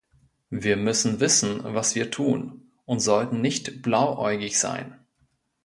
Wir müssen wissen, was wir tun, und sollten nicht blauäugig sein.